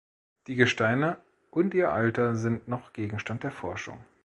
Die Gesteine und ihr Alter sind noch Gegenstand der Forschung.